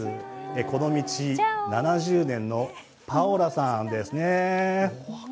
この道７０年のパオラさんですね。